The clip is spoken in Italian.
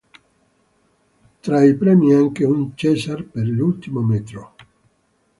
Tra i premi anche un César per "L'ultimo metrò".